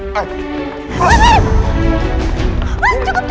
makanya aku nggak percaya sama dia